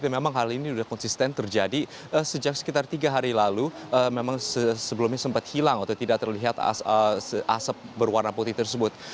memang hal ini sudah konsisten terjadi sejak sekitar tiga hari lalu memang sebelumnya sempat hilang atau tidak terlihat asap berwarna putih tersebut